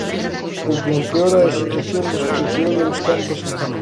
O que empeora é a situación dos que peor o están pasando.